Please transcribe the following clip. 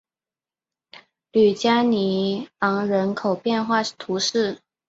吕加尼昂人口变化图示